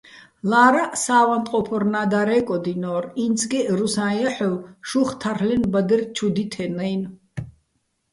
ლა́რაჸ სა́ვანტყოფორნა́ დარე́კოდინორ: ინცგეჸ რუსაჼ ჲაჰ̦ოვ შუხ თარ'ლენო̆ ბადერ ჩუ დითენაჲნო̆.